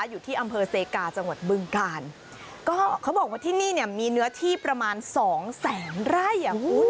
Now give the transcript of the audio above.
อยู่ที่อำเภอเซกาจังหวัดบึงกาลก็เขาบอกว่าที่นี่เนี่ยมีเนื้อที่ประมาณสองแสนไร่อ่ะคุณ